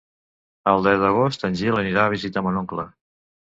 El deu d'agost en Gil anirà a visitar mon oncle.